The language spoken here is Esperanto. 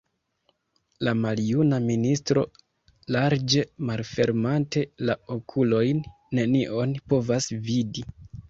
La maljuna ministro, larĝe malfermante la okulojn, nenion povas vidi!